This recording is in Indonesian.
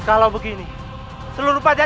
aku pun ingin melihatnya